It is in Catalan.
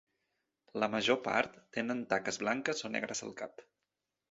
La major part tenen taques blanques o negres al cap.